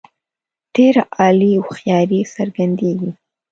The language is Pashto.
ډېره عالي هوښیاري څرګندیږي.